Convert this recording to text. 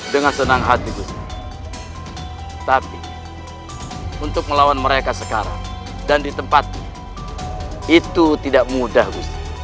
dengan senang hati tapi untuk melawan mereka sekarang dan ditempat itu tidak mudah gusi